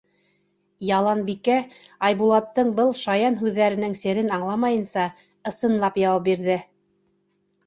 Яланбикә, Айбулаттың был шаян һүҙҙәренең серен аңламайынса, ысынлап яуап бирҙе: